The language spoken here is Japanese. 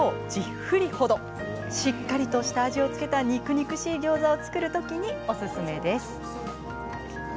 しっかりと下味を付けた肉々しいギョーザを作るときにおすすめです。